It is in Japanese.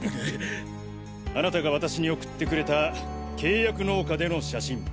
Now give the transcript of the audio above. あなたが私に送ってくれた契約農家での写真。